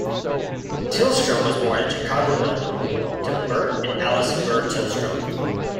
Tillstrom was born in Chicago, Illinois, to Bert and Alice Burr Tillstrom.